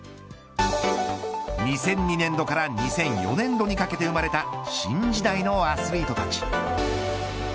２００２年度から２００４年度にかけて生まれた新時代のアスリートたち。